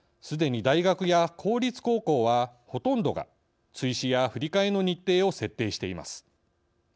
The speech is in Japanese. すでに大学や公立高校はほとんどが追試や振替の日程を設定しています。